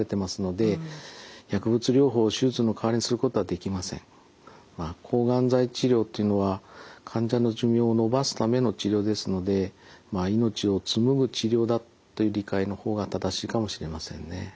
あくまでもまあ抗がん剤治療っていうのは患者の寿命を延ばすための治療ですので命を紡ぐ治療だという理解の方が正しいかもしれませんね。